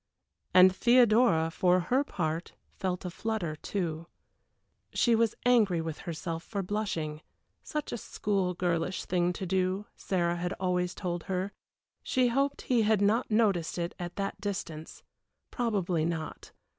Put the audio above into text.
And Theodora, for her part, felt a flutter too. She was angry with herself for blushing, such a school girlish thing to do, Sarah had always told her. She hoped he had not noticed it at that distance probably not.